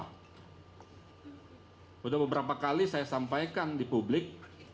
sudah beberapa kali saya sampaikan di publik